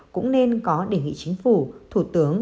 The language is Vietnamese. cũng nên có đề nghị chính phủ thủ tướng